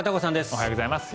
おはようございます。